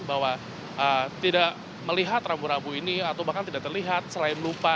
bahwa tidak melihat rambu rambu ini atau bahkan tidak terlihat selain lupa